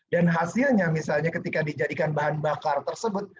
dan hasilnya misalnya ketika dijadikan bahan bakar tersebut